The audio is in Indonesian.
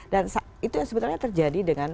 dan itu yang sebenarnya terjadi dengan